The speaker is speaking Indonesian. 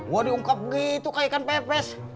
mau diungkap gitu kayak ikan pepes